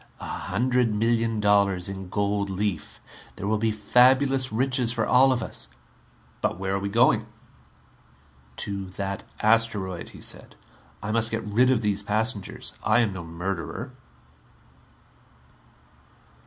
A hundred million dollars in gold leaf. There will be fabulous riches for all of us " "But where are we going?" "To that asteroid," he said. "I must get rid of these passengers. I am no murderer."